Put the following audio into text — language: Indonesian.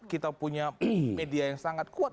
kita punya media yang sangat kuat